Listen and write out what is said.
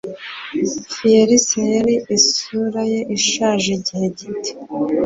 Fierce yari isura ye ishaje igihe gito